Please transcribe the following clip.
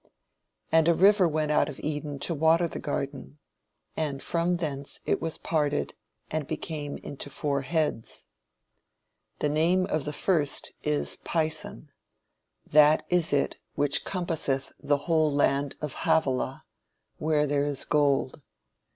"And a river went out of Eden to water the garden; and from thence it was parted and became into four heads. "The name of the first is Pison; that is it which compasseth the whole land of Havilah, where there is gold.